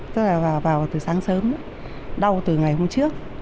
tức là vào từ sáng sớm đau từ ngày hôm trước